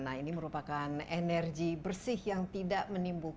nah ini merupakan energi bersih yang tiba tiba akan dihasilkan